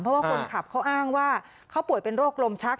เพราะว่าคนขับเขาอ้างว่าเขาป่วยเป็นโรคลมชัก